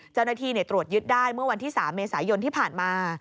เจ้าหน้าที่ตรวจยึดได้เมื่อวันที่๓เมษายนที่ผ่านมา